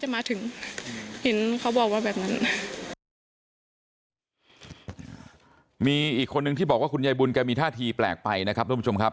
มีอีกคนนึงที่บอกว่าคุณยายบุญแกมีท่าทีแปลกไปนะครับทุกผู้ชมครับ